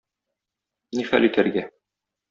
Ни хәл итәргә?